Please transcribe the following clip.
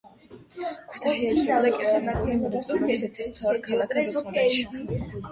ქუთაჰია ითვლებოდა კერამიკული მრეწველობის ერთ-ერთ მთავარ ქალაქად ოსმალეთში.